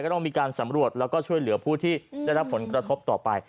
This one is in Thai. ต้องมีการสำรวจแล้วก็ช่วยเหลือผู้ที่ได้รับผลกระทบต่อไป